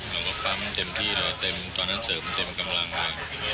เราก็ปั๊มเต็มที่เราเต็มตอนนั้นเสริมเต็มกำลังแล้ว